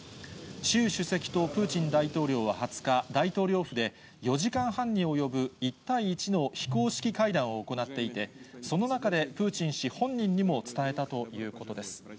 習主席とプーチン大統領は２０日、大統領府で、４時間半に及ぶ１対１の非公式会談を行っていて、その中でプーチン氏本人にも伝えたということです。